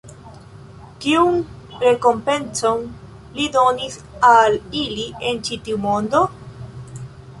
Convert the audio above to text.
Kiun rekompencon Li donis al ili en ĉi tiu mondo?